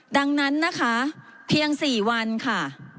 ดังนั้นนะคะเพียง๔วันค่ะ